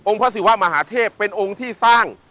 พระศิวะมหาเทพเป็นองค์ที่สร้าง